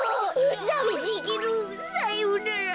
さびしいけどさようなら。